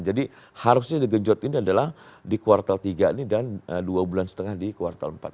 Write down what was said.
jadi harusnya di gejot ini adalah di kuartal tiga ini dan dua lima bulan di kuartal empat